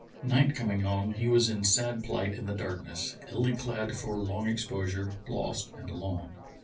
Night com ing on, he was in sad plight in the darkness, illy clad for long exposure, lost and alone.